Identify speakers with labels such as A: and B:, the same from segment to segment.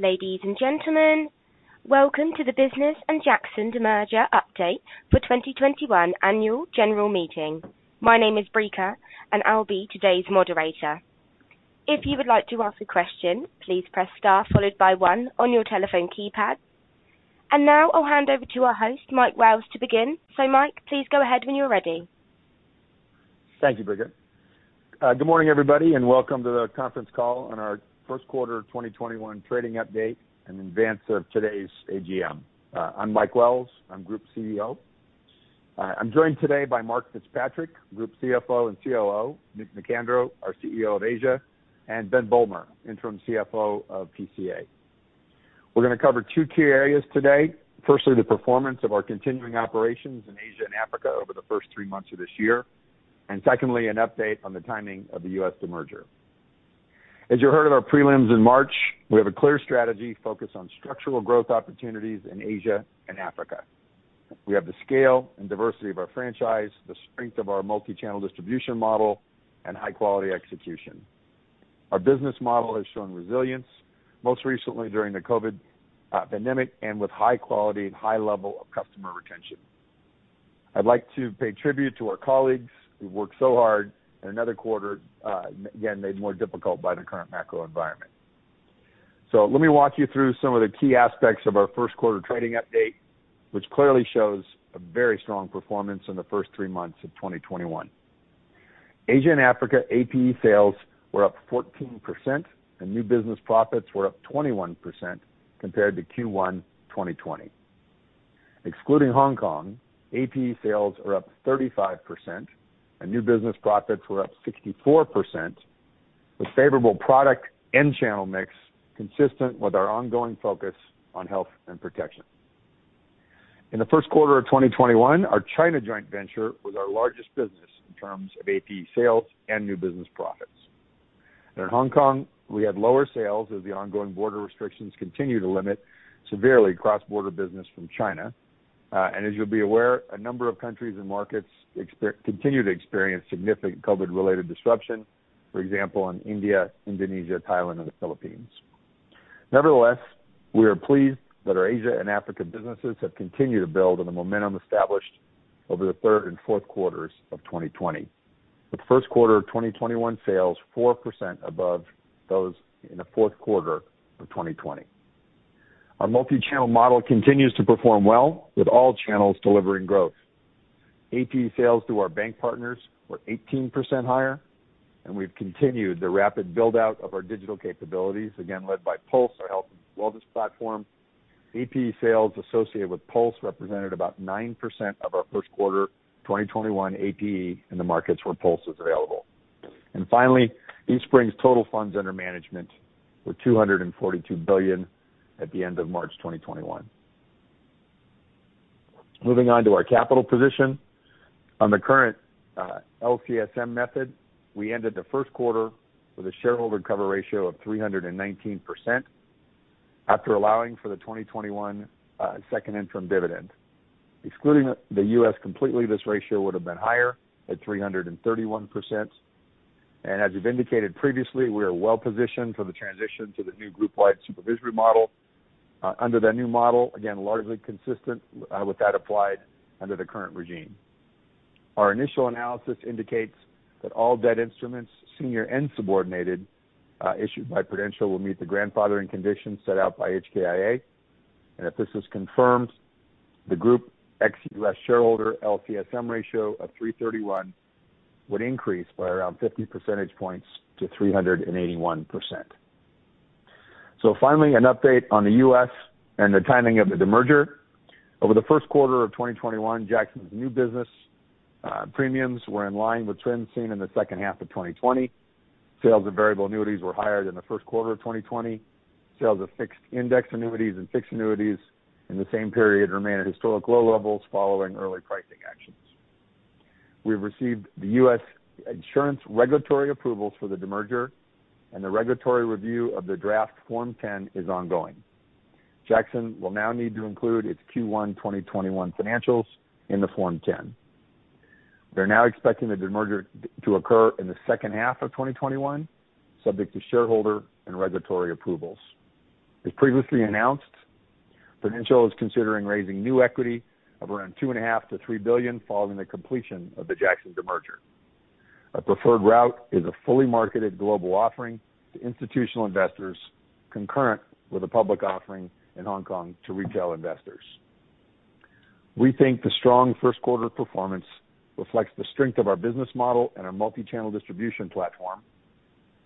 A: Ladies and gentlemen, welcome to the Prudential and Jackson Demerger update for the 2021 Annual General Meeting. My name is [Moderator], and I'll be today's moderator. If you would like to ask a question, please press star followed by one on your telephone keypad. And now I'll hand over to our host, Mike Wells, to begin. So Mike, please go ahead when you're ready.
B: Thank you, [Analyst]. Good morning, everybody, and welcome to the conference call on our Q1 of 2021 trading update in advance of today's AGM. I'm Mike Wells. I'm Group CEO. I'm joined today by Mark Fitzpatrick, Group CFO and COO, Nic Nicandrou, our CEO of Asia, and Ben Bulmer, Interim CFO of PCA. We're going to cover two key areas today. Firstly, the performance of our continuing operations in Asia and Africa over the first three months of this year. And secondly, an update on the timing of the US demerger. As you heard at our prelims in March, we have a clear strategy focused on structural growth opportunities in Asia and Africa. We have the scale and diversity of our franchise, the strength of our multi-channel distribution model, and high-quality execution. Our business model has shown resilience, most recently during the COVID pandemic and with high quality and high level of customer retention. I'd like to pay tribute to our colleagues who've worked so hard in another quarter, again, made more difficult by the current macro environment. So let me walk you through some of the key aspects of our Q1 trading update, which clearly shows a very strong performance in the first three months of 2021. Asia and Africa APE sales were up 14%, and new business profits were up 21% compared to Q1 2020. Excluding Hong Kong, APE sales are up 35%, and new business profits were up 64% with favorable product and channel mix consistent with our ongoing focus on health and protection. In the Q1 of 2021, our China joint venture was our largest business in terms of APE sales and new business profits. In Hong Kong, we had lower sales as the ongoing border restrictions continue to limit severely cross-border business from China, and as you'll be aware, a number of countries and markets continue to experience significant COVID-related disruption, for example, in India, Indonesia, Thailand, and the Philippines. Nevertheless, we are pleased that our Asia and Africa businesses have continued to build on the momentum established over the Q3 and Q4 of 2020, with Q1 of 2021 sales 4% above those in the Q4 of 2020. Our multi-channel model continues to perform well, with all channels delivering growth. APE sales through our bank partners were 18% higher, and we've continued the rapid build-out of our digital capabilities, again, led by Pulse, our health wellness platform. APE sales associated with Pulse represented about 9% of our Q1 2021 APE in the markets where Pulse is available. And finally, Eastspring's total funds under management were $242 billion at the end of March 2021. Moving on to our capital position. On the current LCSM method, we ended the Q1 with a shareholder cover ratio of 319% after allowing for the 2021 second interim dividend. Excluding the US completely, this ratio would have been higher at 331%. And as you've indicated previously, we are well positioned for the transition to the new group-wide supervision model. Under that new model, again, largely consistent with that applied under the current regime. Our initial analysis indicates that all debt instruments, senior and subordinated, issued by Prudential will meet the grandfathering conditions set out by HKIA. And if this is confirmed, the group ex-US shareholder LCSM ratio of 331 would increase by around 50 percentage points to 381%. So finally, an update on the US and the timing of the demerger. Over the Q1 of 2021, Jackson's new business premiums were in line with trends seen in the second half of 2020. Sales of variable annuities were higher than the Q1 of 2020. Sales of fixed index annuities and fixed annuities in the same period remain at historic low levels following early pricing actions. We've received the US insurance regulatory approvals for the demerger, and the regulatory review of the draft Form 10 is ongoing. Jackson will now need to include its Q1 2021 financials in the Form 10. They're now expecting the demerger to occur in the second half of 2021, subject to shareholder and regulatory approvals. As previously announced, Prudential is considering raising new equity of around $2.5 -3 billion following the completion of the Jackson demerger. A preferred route is a fully marketed global offering to institutional investors, concurrent with a public offering in Hong Kong to retail investors. We think the strong Q1 performance reflects the strength of our business model and our multi-channel distribution platform,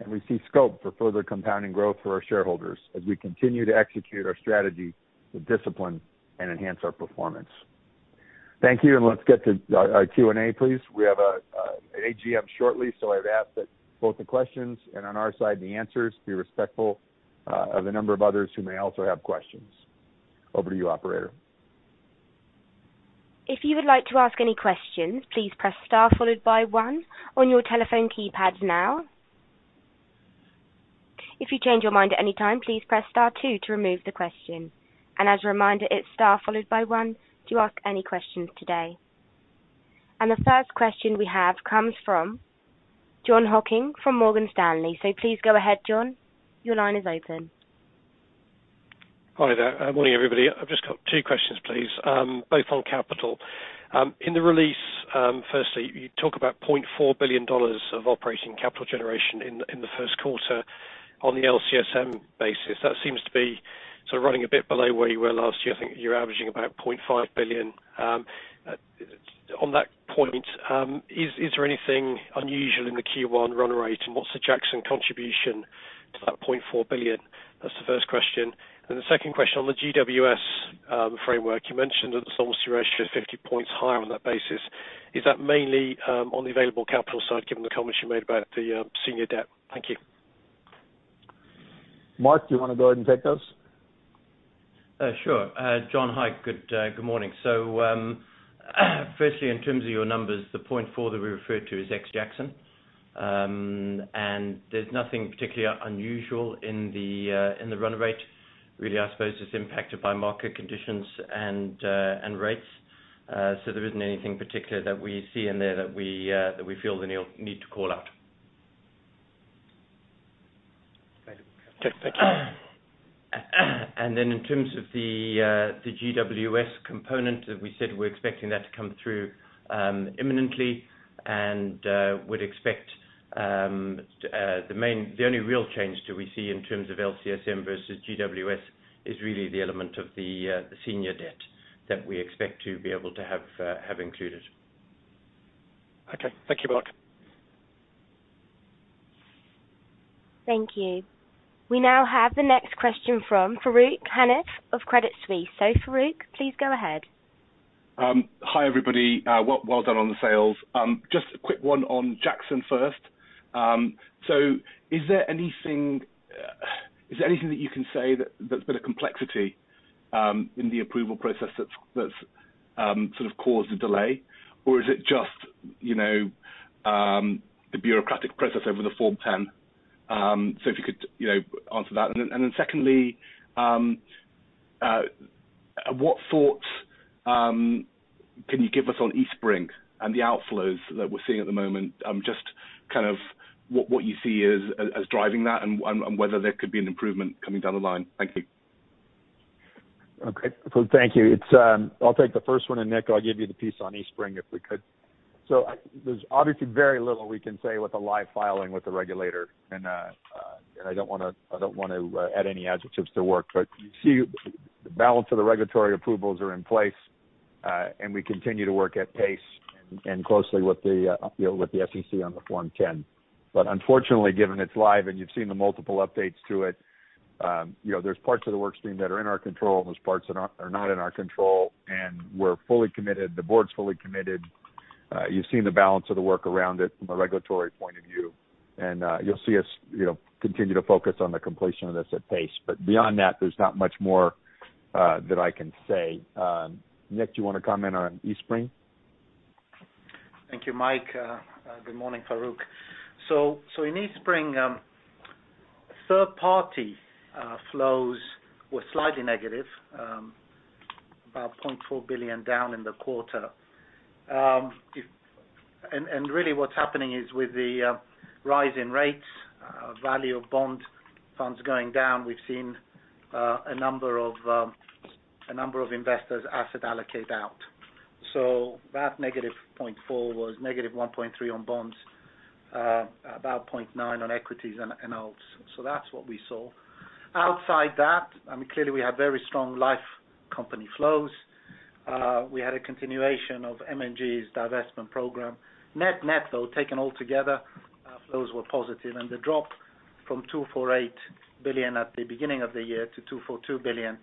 B: and we see scope for further compounding growth for our shareholders as we continue to execute our strategy with discipline and enhance our performance. Thank you, and let's get to our Q&A, please. We have an AGM shortly, so I've asked that both the questions and on our side the answers be respectful of the number of others who may also have questions. Over to you, operator.
A: If you would like to ask any questions, please press star followed by one on your telephone keypad now. If you change your mind at any time, please press star two to remove the question. As a reminder, it's star followed by one to ask any questions today. The first question we have comes from John Hocking from Morgan Stanley. Please go ahead, John. Your line is open. Hi there. Morning, everybody. I've just got two questions, please, both on capital. In the release, firstly, you talk about $0.4 billion of operating capital generation in the Q1 on the LCSM basis. That seems to be sort of running a bit below where you were last year. I think you're averaging about $0.5 billion. On that point, is there anything unusual in the Q1 run rate? And what's the Jackson contribution to that $0.4 billion? That's the first question. And the second question, on the GWS framework, you mentioned that the solvency ratio is 50 points higher on that basis. Is that mainly on the available capital side, given the comments you made about the senior debt? Thank you.
B: Mark, do you want to go ahead and take those? Sure. John Hocking, good morning. So firstly, in terms of your numbers, the 0.4 that we refer to is ex-Jackson. And there's nothing particularly unusual in the run rate. Really, I suppose it's impacted by market conditions and rates. So there isn't anything particular that we see in there that we feel the need to call out. Thank you. And then in terms of the GWS component, we said we're expecting that to come through imminently and would expect the only real change that we see in terms of LCSM versus GWS is really the element of the senior debt that we expect to be able to have included. Okay. Thank you, Mark.
A: Thank you. We now have the next question from Farooq Hanif of Credit Suisse. So Farooq, please go ahead. Hi, everybody. Well done on the sales. Just a quick one on Jackson first. So is there anything that you can say that's been a complexity in the approval process that's sort of caused a delay? Or is it just the bureaucratic process over the Form 10? So if you could answer that. And then secondly, what thoughts can you give us on Eastspring and the outflows that we're seeing at the moment? Just kind of what you see as driving that and whether there could be an improvement coming down the line. Thank you.
B: Okay. So thank you. I'll take the first one, and Nic, I'll give you the piece on Eastspring if we could. So there's obviously very little we can say with the live filing with the regulator. And I don't want to add any adjectives to work, but you see the balance of the regulatory approvals are in place, and we continue to work at pace and closely with the SEC on the Form 10. But unfortunately, given it's live and you've seen the multiple updates to it, there's parts of the workstream that are in our control, and there's parts that are not in our control. And we're fully committed. The board's fully committed. You've seen the balance of the work around it from a regulatory point of view. And you'll see us continue to focus on the completion of this at pace. But beyond that, there's not much more that I can say. Nick, do you want to comment on Eastspring? Thank you, Mike. Good morning, Farooq. In Eastspring, third-party flows were slightly negative, about $0.4 billion down in the quarter. And really, what's happening is with the rising rates, value of bond funds going down, we've seen a number of investors' assets allocate out. That negative $0.4 billion was negative $1.3 billion on bonds, about $0.9 billion on equities and alts. That's what we saw. Outside that, I mean, clearly, we had very strong life company flows. We had a continuation of M&G's divestment program. Net-net, though, taken all together, flows were positive. And the drop from $248 billion at the beginning of the year to $242 billion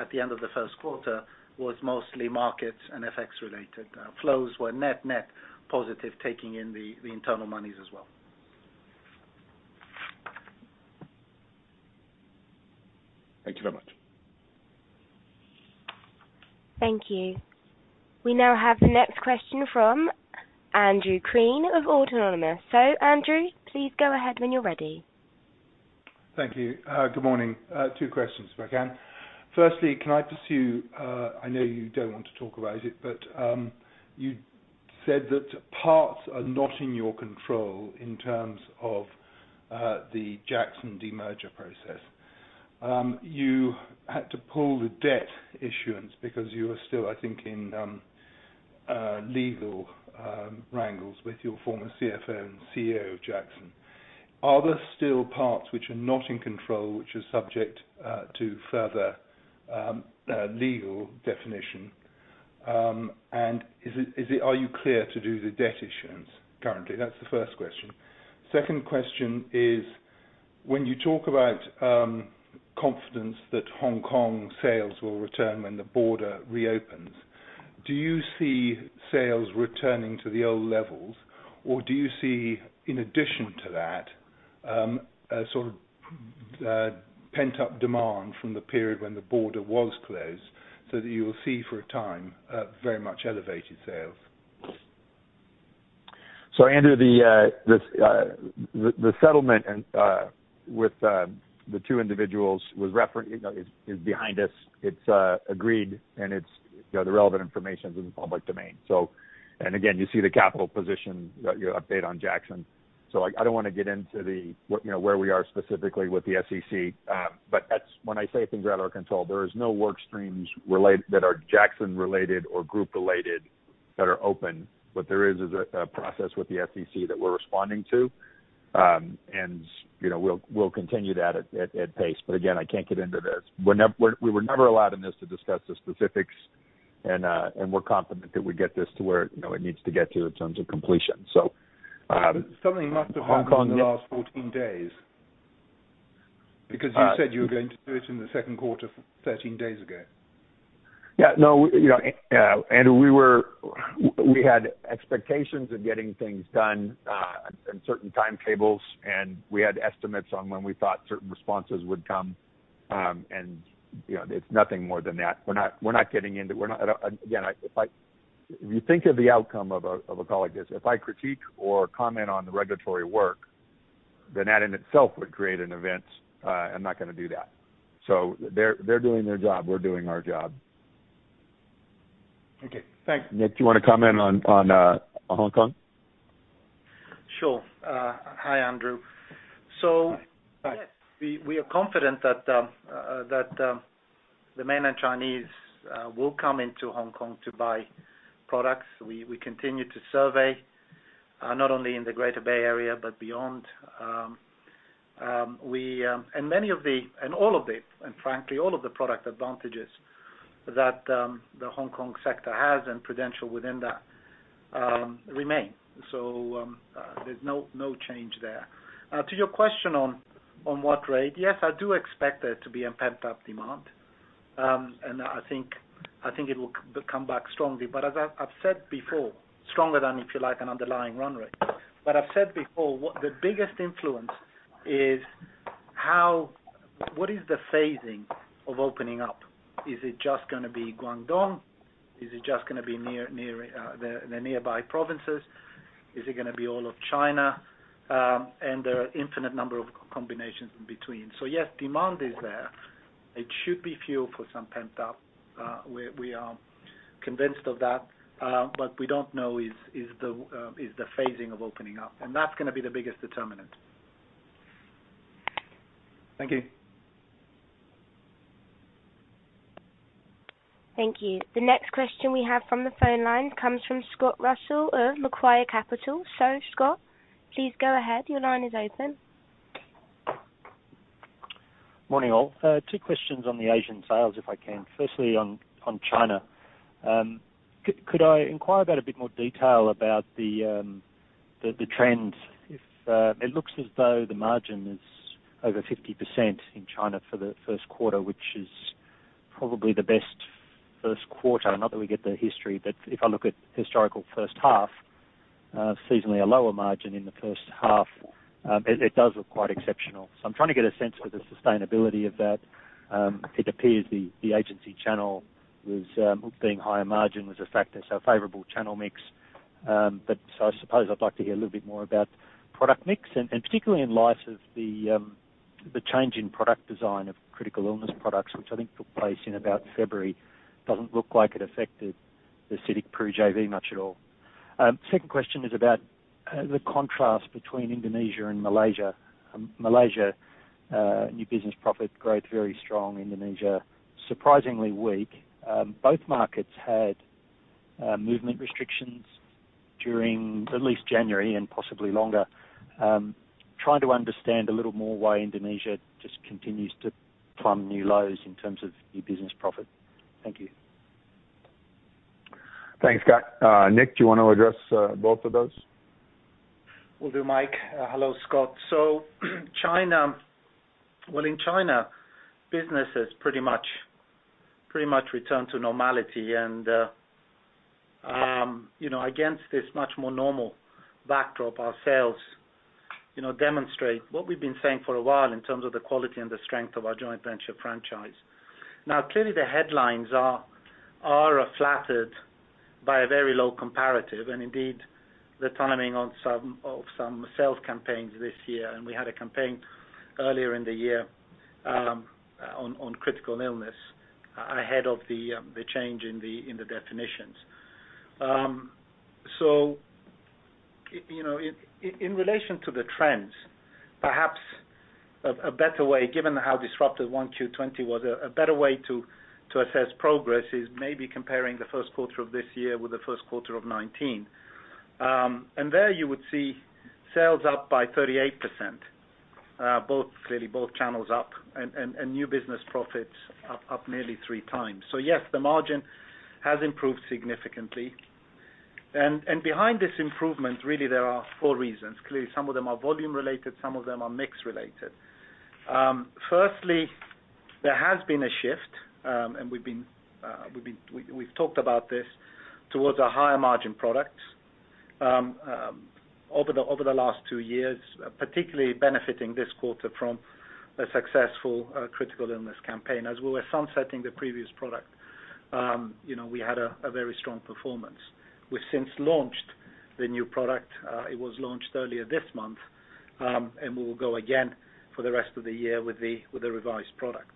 B: at the end of the Q1 was mostly markets and FX-related. Flows were net-net positive, taking in the internal monies as well. Thank you very much.
A: Thank you. We now have the next question from Andrew Crean of Autonomous Research. So Andrew, please go ahead when you're ready.
C: Thank you. Good morning. Two questions, if I can. Firstly, can I pursue? I know you don't want to talk about it, but you said that parts are not in your control in terms of the Jackson demerger process. You had to pull the debt issuance because you are still, I think, in legal wrangles with your former CFO and CEO of Jackson. Are there still parts which are not in control, which are subject to further legal definition? And are you clear to do the debt issuance currently? That's the first question. Second question is, when you talk about confidence that Hong Kong sales will return when the border reopens, do you see sales returning to the old levels, or do you see, in addition to that, a sort of pent-up demand from the period when the border was closed so that you will see for a time very much elevated sales?
B: So Andrew, the settlement with the two individuals is behind us. It's agreed, and the relevant information is in the public domain. And again, you see the capital position update on Jackson. So I don't want to get into where we are specifically with the SEC. But when I say things are out of our control, there are no workstreams that are Jackson-related or group-related that are open. What there is is a process with the SEC that we're responding to, and we'll continue that at pace. But again, I can't get into this. We were never allowed in this to discuss the specifics, and we're confident that we get this to where it needs to get to in terms of completion. So Hong Kong.
C: Something must have happened in the last 14 days because you said you were going to do it in the second quarter 13 days ago.
B: Yeah. No, Andrew, we had expectations of getting things done and certain timetables, and we had estimates on when we thought certain responses would come. And it's nothing more than that. We're not getting into again, if you think of the outcome of a call like this, if I critique or comment on the regulatory work, then that in itself would create an event. I'm not going to do that. So they're doing their job. We're doing our job.
C: Okay. Thanks.
B: Nic, do you want to comment on Hong Kong? Sure. Hi, Andrew. We are confident that the mainland Chinese will come into Hong Kong to buy products. We continue to survey, not only in the Greater Bay Area but beyond. And frankly, all of the product advantages that the Hong Kong sector has and Prudential within that remain. So there's no change there. To your question on what rate, yes, I do expect there to be a pent-up demand. And I think it will come back strongly. But as I've said before, stronger than, if you like, an underlying run rate. But I've said before, the biggest influence is what is the phasing of opening up? Is it just going to be Guangdong? Is it just going to be the nearby provinces? Is it going to be all of China? And there are an infinite number of combinations in between. Yes, demand is there. It should be fueled by some pent-up. We are convinced of that. But what we don't know is the phasing of opening up. That's going to be the biggest determinant.
C: Thank you.
A: Thank you. The next question we have from the phone line comes from Scott Russell of Macquarie Capital. So Scott, please go ahead. Your line is open.
D: Morning, all. Two questions on the Asian sales, if I can. Firstly, on China. Could I inquire about a bit more detail about the trends? It looks as though the margin is over 50% in China for the Q1, which is probably the best Q1. Not that we get the history, but if I look at historical first half, seasonally a lower margin in the first half, it does look quite exceptional. So I'm trying to get a sense for the sustainability of that. It appears the agency channel was being higher margin was a factor, so a favorable channel mix. So I suppose I'd like to hear a little bit more about product mix.
B: And particularly in light of the change in product design of critical illness products, which I think took place in about February. It doesn't look like it affected the CITIC-Prudential JV much at all. Second question is about the contrast between Indonesia and Malaysia. Malaysia, new business profit growth very strong. Indonesia, surprisingly weak. Both markets had movement restrictions during at least January and possibly longer. Trying to understand a little more why Indonesia just continues to plumb new lows in terms of new business profit. Thank you. Thanks, Scott. Nic, do you want to address both of those? Will do, Mike. Hello, Scott. So China, well, in China, business has pretty much returned to normality. And against this much more normal backdrop, our sales demonstrate what we've been saying for a while in terms of the quality and the strength of our joint venture franchise. Now, clearly, the headlines are flattered by a very low comparative. And indeed, the timing of some sales campaigns this year. And we had a campaign earlier in the year on critical illness ahead of the change in the definitions. So in relation to the trends, perhaps a better way, given how disruptive 1Q20 was, a better way to assess progress is maybe comparing the Q1 of this year with the Q1 of 2019. And there you would see sales up by 38%, clearly both channels up, and new business profits up nearly three times. So yes, the margin has improved significantly. And behind this improvement, really, there are four reasons. Clearly, some of them are volume-related. Some of them are mix-related. Firstly, there has been a shift, and we've talked about this, towards a higher margin product over the last two years, particularly benefiting this quarter from a successful critical illness campaign. As we were sunsetting the previous product, we had a very strong performance. We've since launched the new product. It was launched earlier this month, and we will go again for the rest of the year with the revised product.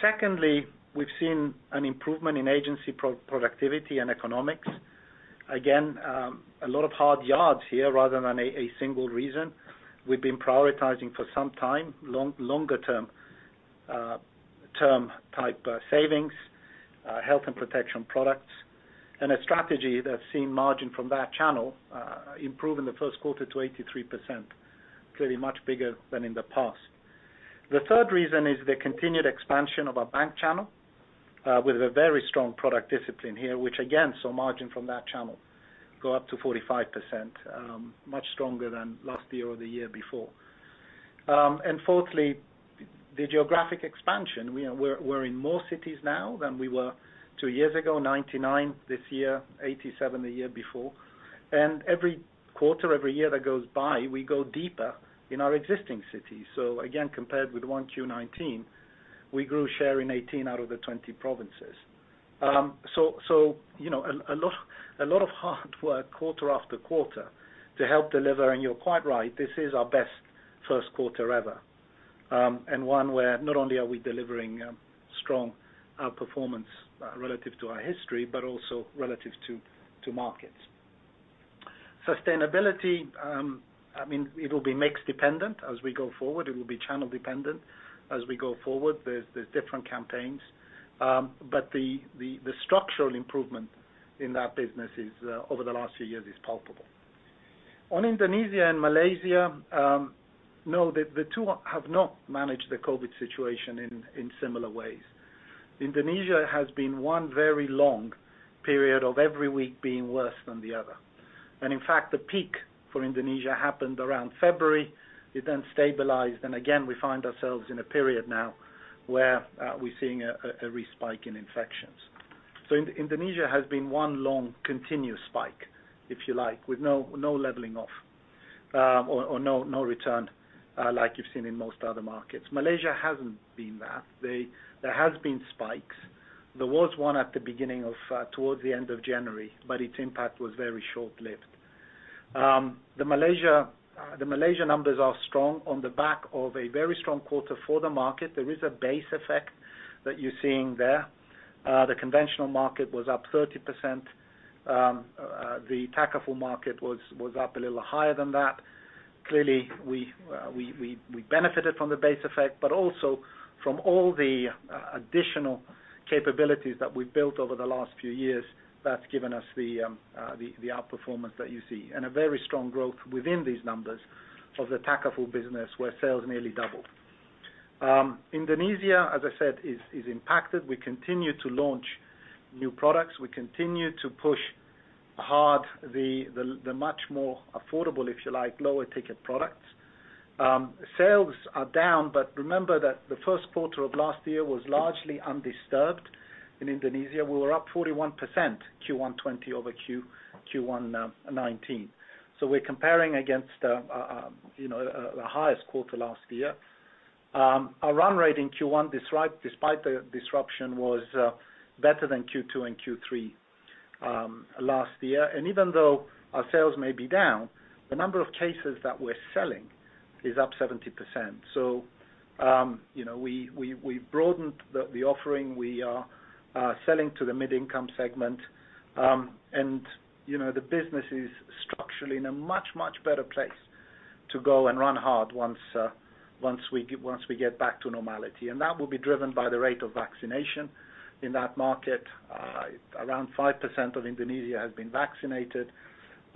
B: Secondly, we've seen an improvement in agency productivity and economics. Again, a lot of hard yards here rather than a single reason. We've been prioritizing for some time longer-term type savings, health and protection products, and a strategy that's seen margin from that channel improve in the Q1 to 83%, clearly much bigger than in the past. The third reason is the continued expansion of our bank channel with a very strong product discipline here, which again saw margin from that channel go up to 45%, much stronger than last year or the year before. And fourthly, the geographic expansion. We're in more cities now than we were two years ago, 99 this year, 87 the year before. And every quarter, every year that goes by, we go deeper in our existing cities. So again, compared with 1Q19, we grew share in 18 out of the 20 provinces. So a lot of hard work quarter after quarter to help deliver. And you're quite right. This is our best Q1 ever, and one where not only are we delivering strong performance relative to our history, but also relative to markets. Sustainability, I mean, it will be mixed dependent as we go forward. It will be channel dependent as we go forward. There's different campaigns. But the structural improvement in that business over the last few years is palpable. On Indonesia and Malaysia, no, the two have not managed the COVID situation in similar ways. Indonesia has been one very long period of every week being worse than the other. And in fact, the peak for Indonesia happened around February. It then stabilized. And again, we find ourselves in a period now where we're seeing a respike in infections. So Indonesia has been one long continuous spike, if you like, with no leveling off or no return like you've seen in most other markets. Malaysia hasn't been that. There has been spikes. There was one at the beginning of towards the end of January, but its impact was very short-lived. The Malaysia numbers are strong on the back of a very strong quarter for the market. There is a base effect that you're seeing there. The conventional market was up 30%. The Takaful market was up a little higher than that. Clearly, we benefited from the base effect. But also, from all the additional capabilities that we've built over the last few years, that's given us the outperformance that you see. And a very strong growth within these numbers of the Takaful business where sales nearly doubled. Indonesia, as I said, is impacted. We continue to launch new products. We continue to push hard the much more affordable, if you like, lower-ticket products. Sales are down, but remember that the Q1 of last year was largely undisturbed. In Indonesia, we were up 41% 1Q20 over 1Q19. So we're comparing against the highest quarter last year. Our run rate in Q1, despite the disruption, was better than Q2 and Q3 last year. And even though our sales may be down, the number of cases that we're selling is up 70%. So we've broadened the offering. We are selling to the mid-income segment. And the business is structurally in a much, much better place to go and run hard once we get back to normality. And that will be driven by the rate of vaccination in that market. Around 5% of Indonesia has been vaccinated.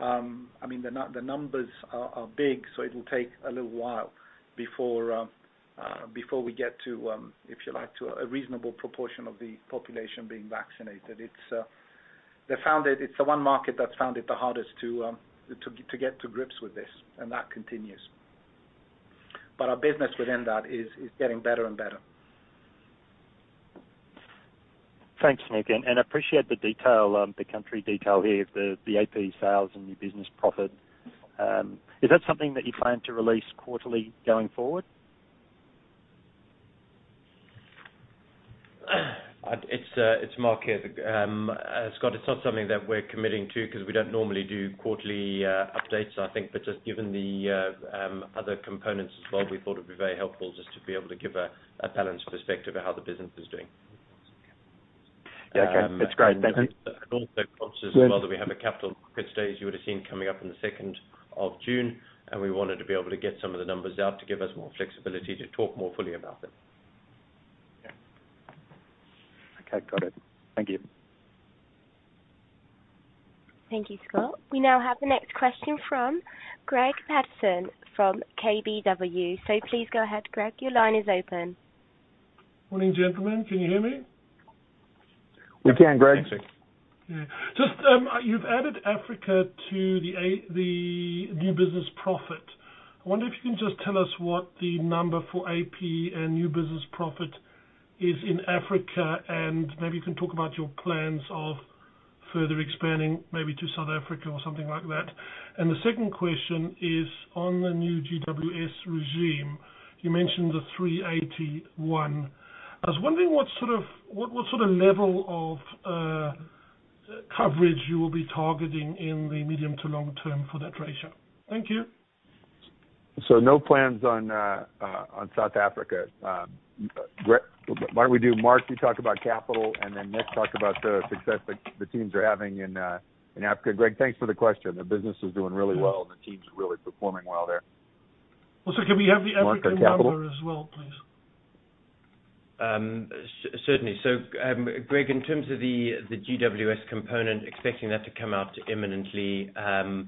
B: I mean, the numbers are big, so it will take a little while before we get to, if you like, a reasonable proportion of the population being vaccinated. They found it's the one market that's found it the hardest to get to grips with this, and that continues. But our business within that is getting better and better.
D: Thanks, Nic. And I appreciate the detail, the country detail here, the APE sales and new business profit. Is that something that you plan to release quarterly going forward? It's market. Scott, it's not something that we're committing to because we don't normally do quarterly updates, I think. But just given the other components as well, we thought it would be very helpful just to be able to give a balanced perspective of how the business is doing. Yeah. Okay. That's great. Thank you. And also prompts as well that we have a Capital Markets Day you would have seen coming up on the 2nd of June. And we wanted to be able to get some of the numbers out to give us more flexibility to talk more fully about them. Yeah. Okay. Got it. Thank you.
A: Thank you, Scott. We now have the next question from Greig Paterson from KBW. So please go ahead, Greg. Your line is open.
E: Morning, gentlemen. Can you hear me?
B: We can, Greg.
E: Thank you. Just, you've added Africa to the new business profit. I wonder if you can just tell us what the number for AP and new business profit is in Africa, and maybe you can talk about your plans of further expanding maybe to South Africa or something like that. And the second question is on the new GWS regime. You mentioned the 381. I was wondering what sort of level of coverage you will be targeting in the medium to long term for that ratio. Thank you.
B: So no plans on South Africa. Why don't we do Mark? You talk about capital, and then Nick talk about the success that the teams are having in Africa. Greig, thanks for the question. The business is doing really well, and the teams are really performing well there.
E: Also, can we have the African number as well, please?
B: Certainly. So, Greg, in terms of the GWS component, expecting that to come out imminently, the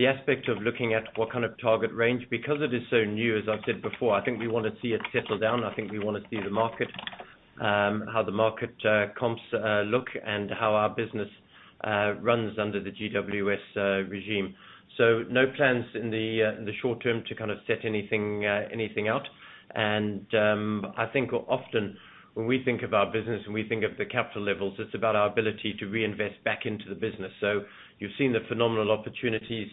B: aspect of looking at what kind of target range, because it is so new, as I've said before, I think we want to see it settle down. I think we want to see the market, how the market comps look, and how our business runs under the GWS regime. So no plans in the short term to kind of set anything out. And I think often, when we think of our business and we think of the capital levels, it's about our ability to reinvest back into the business. So you've seen the phenomenal opportunities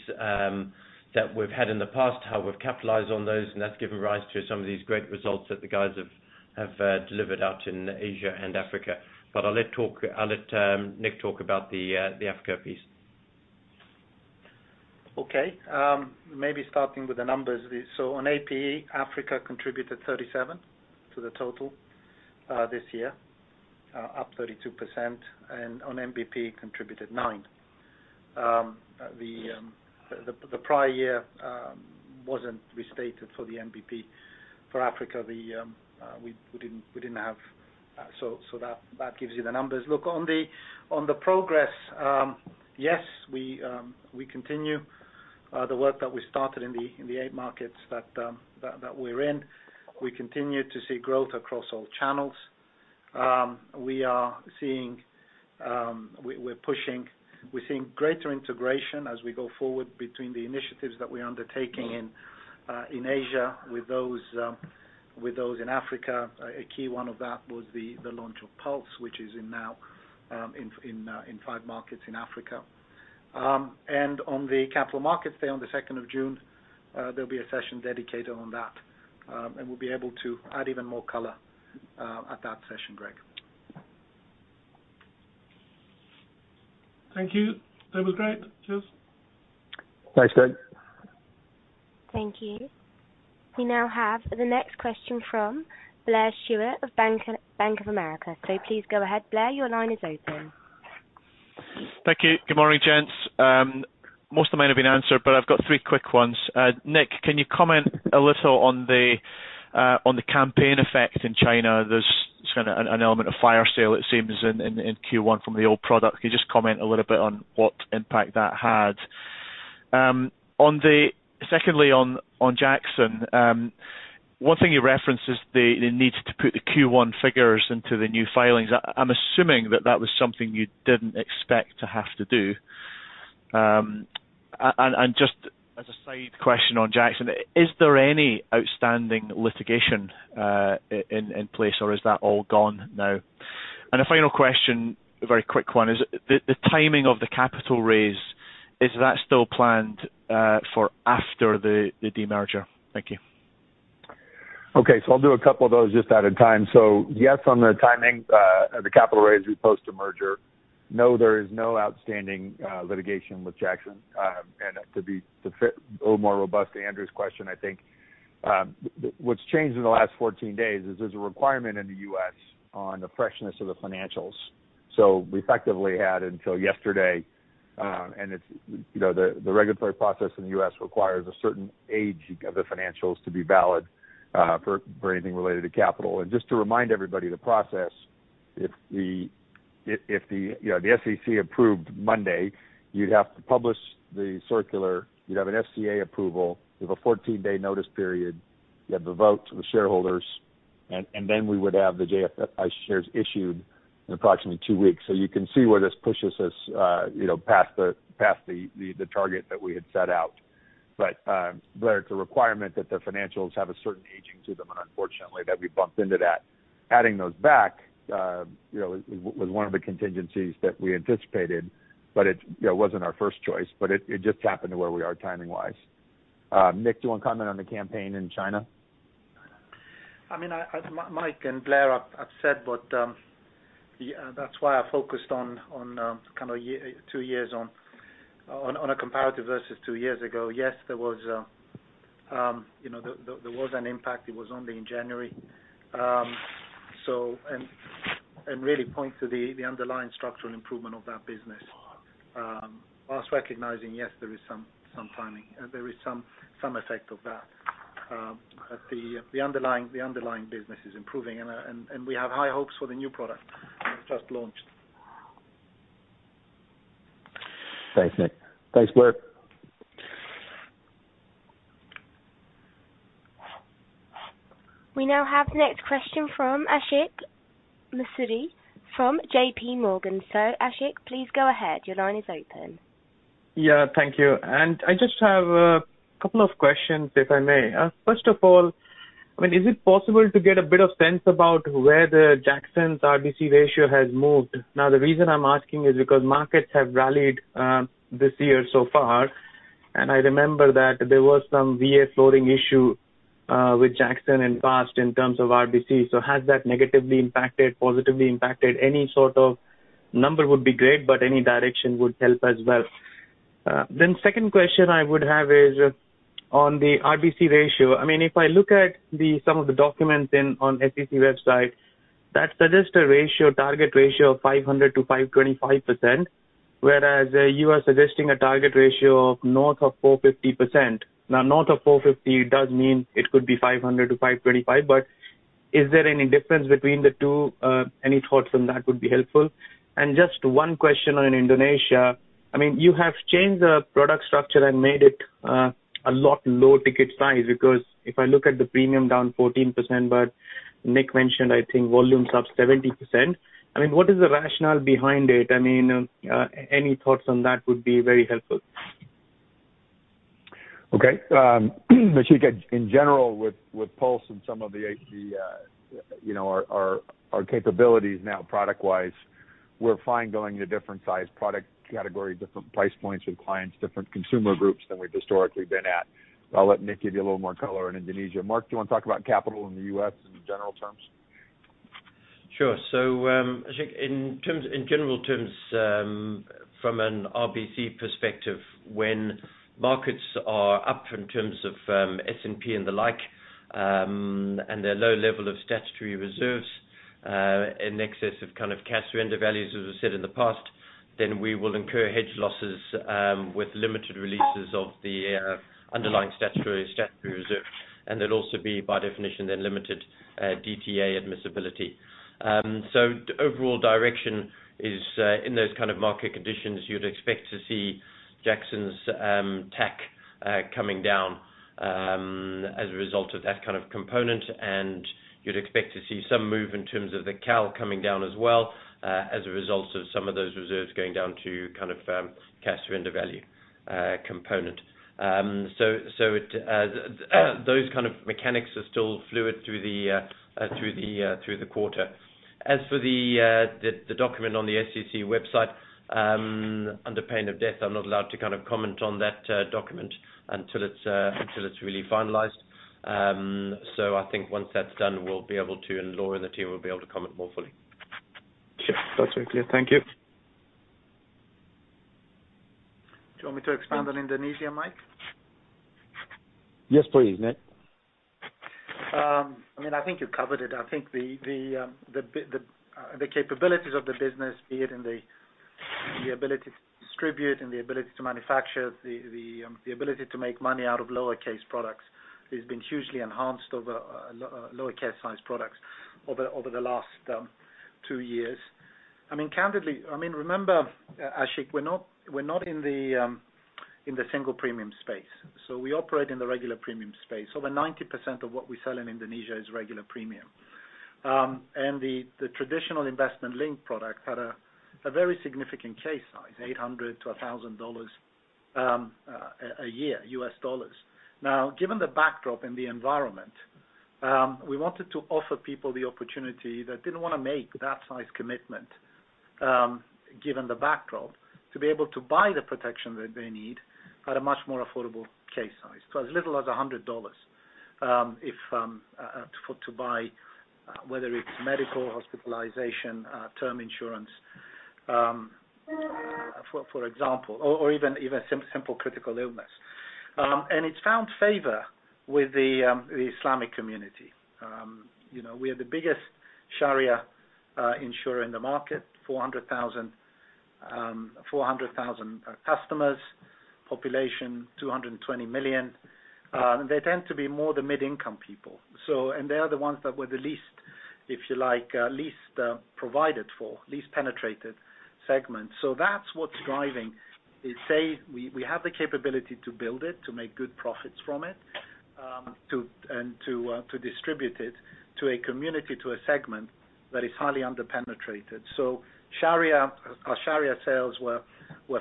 B: that we've had in the past, how we've capitalized on those, and that's given rise to some of these great results that the guys have delivered out in Asia and Africa. But I'll let Nic talk about the Africa piece. Okay. Maybe starting with the numbers. So on AP, Africa contributed 37 to the total this year, up 32%. And on NBP, contributed 9. The prior year wasn't restated for the NBP. For Africa, we didn't have. So that gives you the numbers. Look, on the progress, yes, we continue the work that we started in the eight markets that we're in. We continue to see growth across all channels. We are seeing we're pushing. We're seeing greater integration as we go forward between the initiatives that we're undertaking in Asia with those in Africa. A key one of that was the launch of Pulse, which is now in five markets in Africa. And on the capital markets there, on the 2nd of June, there'll be a session dedicated on that. And we'll be able to add even more color at that session, Greig.
E: Thank you. That was great. Cheers.
B: Thanks, Greig.
A: Thank you. We now have the next question from Blair Stewart of Bank of America. So please go ahead, Blair. Your line is open. Thank you. Good morning, gents. Most of them may not have been answered, but I've got three quick ones. Nick, can you comment a little on the campaign effect in China? There's kind of an element of fire sale, it seems, in Q1 from the old product. Can you just comment a little bit on what impact that had? Secondly, on Jackson, one thing you referenced is the need to put the Q1 figures into the new filings. I'm assuming that that was something you didn't expect to have to do. And just as a side question on Jackson, is there any outstanding litigation in place, or is that all gone now? And a final question, a very quick one. The timing of the capital raise, is that still planned for after the demerger? Thank you.
B: Okay. I'll do a couple of those just out of time. Yes, on the timing of the capital raise post-merger. No, there is no outstanding litigation with Jackson. To be a little more robust to Andrew's question, I think what's changed in the last 14 days is there's a requirement in the US on the freshness of the financials. We effectively had until yesterday, and the regulatory process in the US requires a certain age of the financials to be valid for anything related to capital. Just to remind everybody of the process, if the SEC approved Monday, you'd have to publish the circular. You'd have an FCA approval. You have a 14-day notice period. You have the vote to the shareholders. Then we would have the JFI shares issued in approximately two weeks. So you can see where this pushes us past the target that we had set out. But Blair, it's a requirement that the financials have a certain aging to them. And unfortunately, that we bumped into that. Adding those back was one of the contingencies that we anticipated, but it wasn't our first choice. But it just happened to where we are timing-wise. Nic, do you want to comment on the campaign in China? I mean, Mike and Blair. I've said, but that's why I focused on kind of two years on a comparative versus two years ago. Yes, there was an impact. It was only in January, and really point to the underlying structural improvement of that business, whilst recognizing, yes, there is some timing. There is some effect of that, but the underlying business is improving, and we have high hopes for the new product we've just launched. Thanks, Nic. Thanks, Blair.
A: We now have the next question from Ashik Musaddi from JPMorgan. So Ashik, please go ahead. Your line is open. Yeah. Thank you, and I just have a couple of questions, if I may. First of all, I mean, is it possible to get a bit of sense about where Jackson's RBC ratio has moved? Now, the reason I'm asking is because markets have rallied this year so far. And I remember that there was some VA floating issue with Jackson in the past in terms of RBC. So has that negatively impacted, positively impacted? Any sort of number would be great, but any direction would help as well. Then second question I would have is on the RBC ratio. I mean, if I look at some of the documents on SEC website, that suggests a target ratio of 500%-525%, whereas you are suggesting a target ratio of north of 450%. Now, north of 450% does mean it could be 500%-525%. Is there any difference between the two? Any thoughts on that would be helpful. Just one question on Indonesia. I mean, you have changed the product structure and made it a lot low-ticket size because if I look at the premium down 14%, but Nic mentioned, I think, volumes up 70%. I mean, what is the rationale behind it? I mean, any thoughts on that would be very helpful.
B: Okay. I think in general, with Pulse and some of our capabilities now, product-wise, we're fine going into different size product categories, different price points with clients, different consumer groups than we've historically been at. I'll let Nick give you a little more color on Indonesia. Mark, do you want to talk about capital in the US in general terms? Sure. So in general terms, from an RBC perspective, when markets are up in terms of S&P and the like, and there are low levels of statutory reserves in excess of kind of cash surrender values, as we've said in the past, then we will incur hedge losses with limited releases of the underlying statutory reserve. And there'll also be, by definition, then limited DTA admissibility. So the overall direction is in those kind of market conditions, you'd expect to see Jackson's TAC coming down as a result of that kind of component. And you'd expect to see some move in terms of the CAL coming down as well as a result of some of those reserves going down to kind of cash surrender value component. So those kind of mechanics are still flowed through the quarter. As for the document on the SEC website, under pain of death, I'm not allowed to kind of comment on that document until it's really finalized. So I think once that's done, we'll be able to, and Laura and the team will be able to comment more fully. Sure. That's very clear. Thank you. Do you want me to expand on Indonesia, Mike? Yes, please, Nic. I mean, I think you covered it. I think the capabilities of the business, be it in the ability to distribute and the ability to manufacture, the ability to make money out of lower case products, has been hugely enhanced over lower case size products over the last two years. I mean, candidly, I mean, remember, Ashik, we're not in the single premium space. So we operate in the regular premium space. Over 90% of what we sell in Indonesia is regular premium. And the traditional investment-linked product had a very significant case size, $800-1,000 a year, US dollars. Now, given the backdrop and the environment, we wanted to offer people the opportunity that didn't want to make that size commitment, given the backdrop, to be able to buy the protection that they need at a much more affordable case size, to as little as $100 to buy, whether it's medical, hospitalization, term insurance, for example, or even simple critical illness. And it's found favor with the Islamic community. We are the biggest Sharia insurer in the market, 400,000 customers, population 220 million. They tend to be more the mid-income people. And they are the ones that were the least, if you like, least provided for, least penetrated segment. So that's what's driving. We have the capability to build it, to make good profits from it, and to distribute it to a community, to a segment that is highly underpenetrated. So our Sharia sales were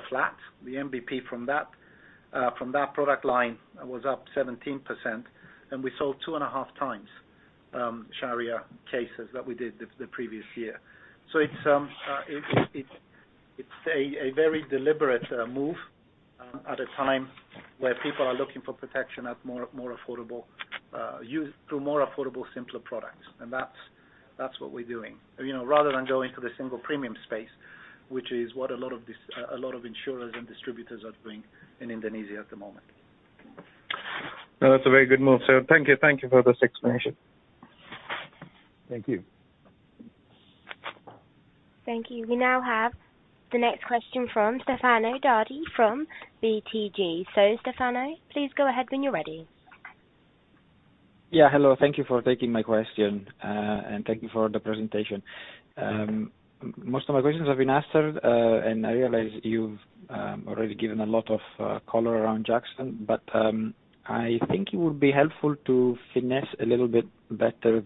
B: flat. The NBP from that product line was up 17%, and we sold two and a half times Sharia cases that we did the previous year, so it's a very deliberate move at a time where people are looking for protection through more affordable, simpler products, and that's what we're doing rather than going to the single premium space, which is what a lot of insurers and distributors are doing in Indonesia at the moment. That's a very good move. So thank you. Thank you for this explanation. Thank you.
A: Thank you. We now have the next question from Stefano Dardi from BTG. So Stefano, please go ahead when you're ready.
F: Yeah. Hello. Thank you for taking my question, and thank you for the presentation. Most of my questions have been answered, and I realize you've already given a lot of color around Jackson, but I think it would be helpful to finesse a little bit better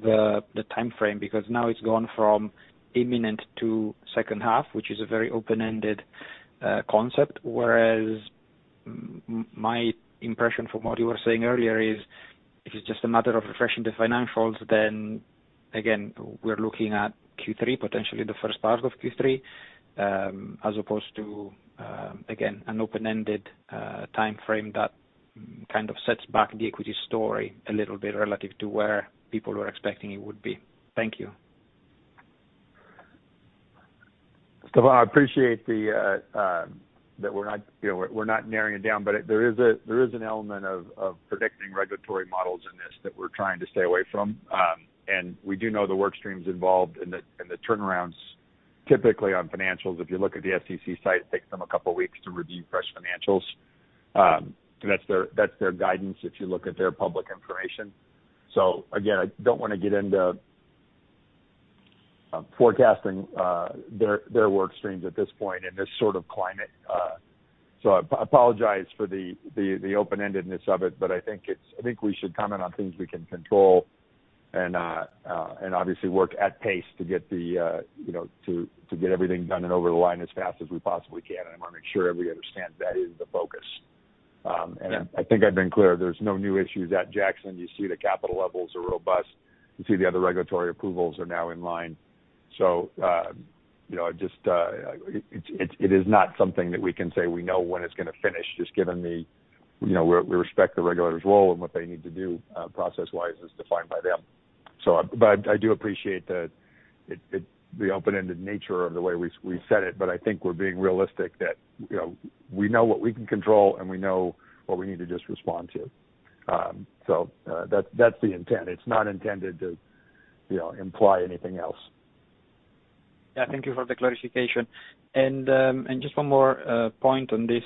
F: the timeframe because now it's gone from imminent to second half, which is a very open-ended concept. Whereas my impression from what you were saying earlier is if it's just a matter of refreshing the financials, then again, we're looking at Q3, potentially the first part of Q3, as opposed to, again, an open-ended timeframe that kind of sets back the equity story a little bit relative to where people were expecting it would be. Thank you.
B: Stefano, I appreciate that we're not narrowing it down, but there is an element of predicting regulatory models in this that we're trying to stay away from, and we do know the workstreams involved and the turnarounds, typically on financials. If you look at the SEC site, it takes them a couple of weeks to review fresh financials. That's their guidance if you look at their public information, so again, I don't want to get into forecasting their workstreams at this point in this sort of climate, so I apologize for the open-endedness of it, but I think we should comment on things we can control and obviously work at pace to get everything done and over the line as fast as we possibly can, and I want to make sure everyone understands that is the focus, and I think I've been clear. There's no new issues at Jackson. You see the capital levels are robust. You see the other regulatory approvals are now in line. So just it is not something that we can say we know when it's going to finish, just given that we respect the regulator's role and what they need to do. Process-wise, it's defined by them. But I do appreciate the open-ended nature of the way we set it. But I think we're being realistic that we know what we can control and we know what we need to just respond to. So that's the intent. It's not intended to imply anything else.
F: Yeah. Thank you for the clarification. And just one more point on this.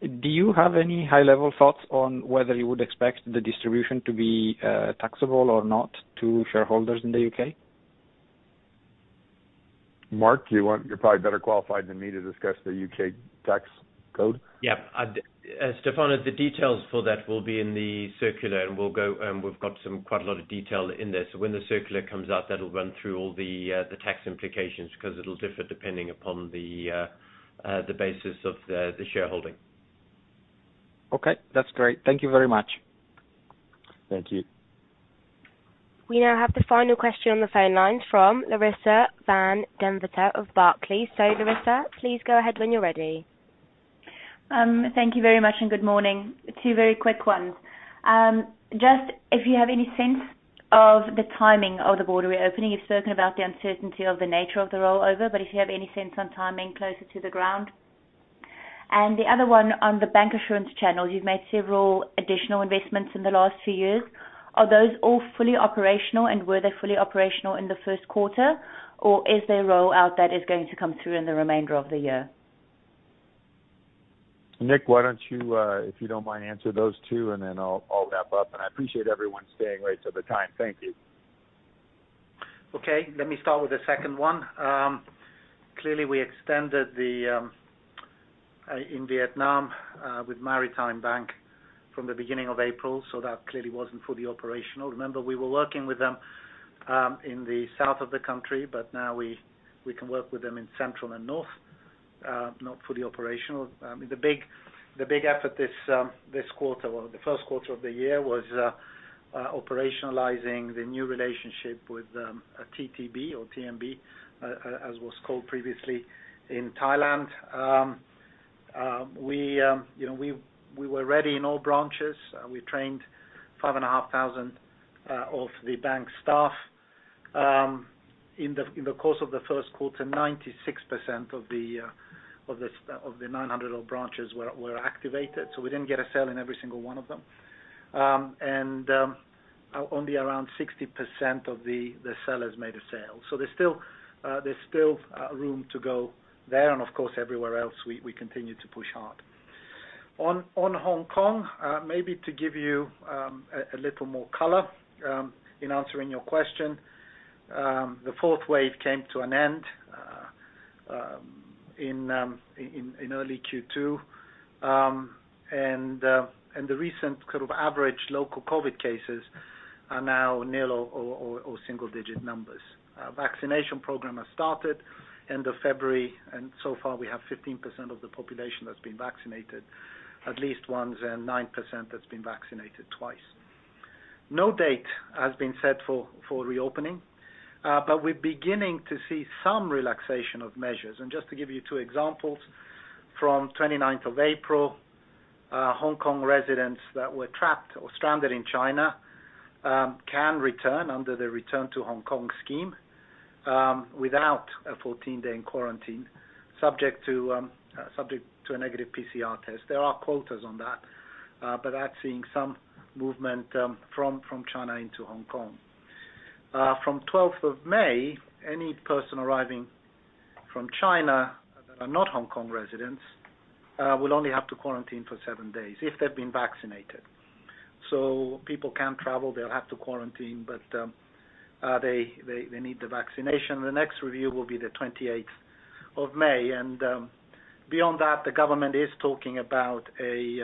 F: Do you have any high-level thoughts on whether you would expect the distribution to be taxable or not to shareholders in the UK?
B: Mark, you're probably better qualified than me to discuss the UK tax code. Yeah. Stefano, the details for that will be in the circular. And we've got quite a lot of detail in there. So when the circular comes out, that'll run through all the tax implications because it'll differ depending upon the basis of the shareholding.
F: Okay. That's great. Thank you very much.
B: Thank you.
A: We now have the final question on the phone lines from Larissa van Deventer of Barclays. So Larissa, please go ahead when you're ready.
G: Thank you very much and good morning. Two very quick ones. Just if you have any sense of the timing of the border reopening? You've spoken about the uncertainty of the nature of the rollover. But if you have any sense on timing closer to the ground? And the other one on the bancassurance channels, you've made several additional investments in the last few years. Are those all fully operational? And were they fully operational in the Q1? Or is there a rollout that is going to come through in the remainder of the year?
B: Nic, why don't you, if you don't mind, answer those two, and then I'll wrap up, and I appreciate everyone staying right to the time. Thank you. Okay. Let me start with the second one. Clearly, we extended in Vietnam with Maritime Bank from the beginning of April. So that clearly wasn't fully operational. Remember, we were working with them in the south of the country. But now we can work with them in central and north, not fully operational. The big effort this quarter, or the Q1 of the year, was operationalizing the new relationship with TTB, or TMB, as was called previously, in Thailand. We were ready in all branches. We trained 5,500 of the bank staff. In the course of the Q1, 96% of the 900-odd branches were activated. So we didn't get a sale in every single one of them. And only around 60% of the sellers made a sale. So there's still room to go there. And of course, everywhere else, we continue to push hard. On Hong Kong, maybe to give you a little more color in answering your question, the fourth wave came to an end in early Q2. And the recent sort of average local COVID cases are now near or single-digit numbers. Vaccination programs have started end of February. And so far, we have 15% of the population that's been vaccinated at least once and 9% that's been vaccinated twice. No date has been set for reopening. But we're beginning to see some relaxation of measures. And just to give you two examples, from 29 April, Hong Kong residents that were trapped or stranded in China can return under the Return to Hong Kong Scheme without a 14-day quarantine, subject to a negative PCR test. There are quotas on that. But that's seeing some movement from China into Hong Kong. From 12th of May, any person arriving from China that are not Hong Kong residents will only have to quarantine for seven days if they've been vaccinated, so people can't travel. They'll have to quarantine, but they need the vaccination. The next review will be the 28 May, and beyond that, the government is talking about a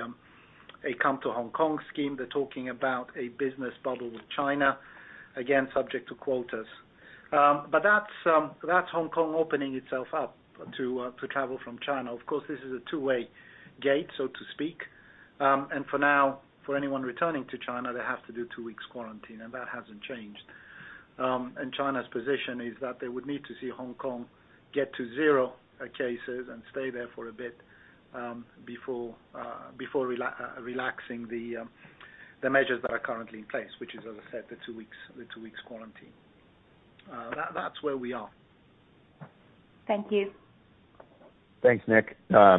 B: Come to Hong Kong Scheme. They're talking about a business bubble with China, again, subject to quotas, but that's Hong Kong opening itself up to travel from China. Of course, this is a two-way gate, so to speak, and for now, for anyone returning to China, they have to do two weeks' quarantine, and that hasn't changed. China's position is that they would need to see Hong Kong get to zero cases and stay there for a bit before relaxing the measures that are currently in place, which is, as I said, the two weeks' quarantine. That's where we are.
G: Thank you.
B: Thanks, Nic. I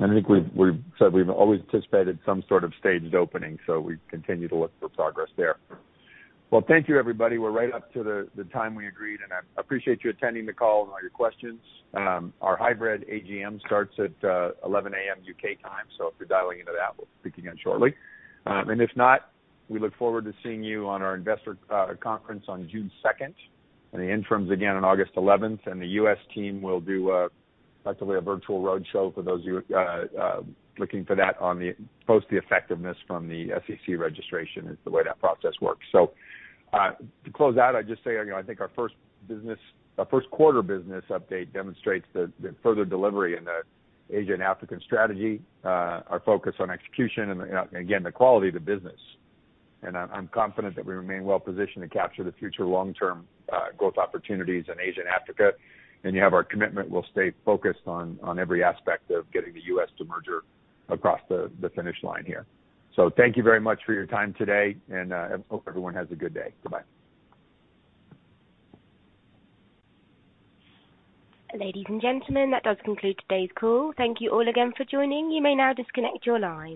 B: think we've always anticipated some sort of staged opening. So we continue to look for progress there. Well, thank you, everybody. We're right up to the time we agreed. And I appreciate you attending the call and all your questions. Our hybrid AGM starts at 11:00AM UK time. So if you're dialing into that, we'll speak again shortly. And if not, we look forward to seeing you on our investor conference on 2 June. And the interims again on 11 August. And the US team will do effectively a virtual roadshow for those of you looking for that post the effectiveness of the SEC registration. That's the way that process works. So, to close out, I just say I think our Q1 business update demonstrates the further delivery in the Asia and Africa strategy, our focus on execution, and again, the quality of the business. And I'm confident that we remain well positioned to capture the future long-term growth opportunities in Asia and Africa. And you have our commitment. We'll stay focused on every aspect of getting the US demerger across the finish line here. So thank you very much for your time today. And I hope everyone has a good day. Goodbye.
A: Ladies and gentlemen, that does conclude today's call. Thank you all again for joining. You may now disconnect your line.